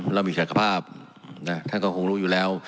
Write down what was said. เรามีศักภาพท่านก็คงรู้อยู่แล้ว